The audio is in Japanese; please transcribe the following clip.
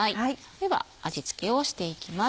では味付けをしていきます。